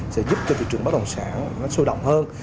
sẽ giúp cho thị trường bất động sản sôi động hơn